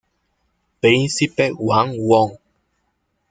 Príncipe Wang Won.